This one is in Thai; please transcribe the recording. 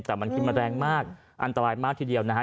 แต่มันขึ้นมาแรงมากอันตรายมากทีเดียวนะฮะ